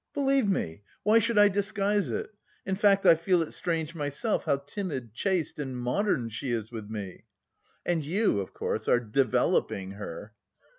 "Believe me! Why should I disguise it? In fact, I feel it strange myself how timid, chaste and modern she is with me!" "And you, of course, are developing her...